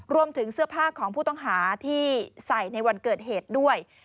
รวมถึงเสื้อผ้าของผู้ต้องหาที่ใส่ในวันเกิดเหตุด้วย